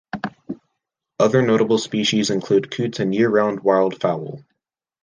Other notable species include coots and year-round wildfowl.